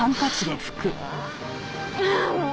ああもう！